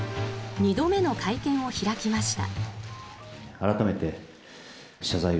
２度目の会見を開きました。